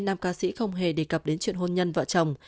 nam ca sĩ không hề đề cập đến chuyện hôn nhân vợ chồng